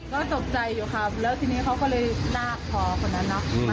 ก็ตกใจอยู่ครับแล้วทีนี้เขาก็เลยลากคอคนนั้นเนอะ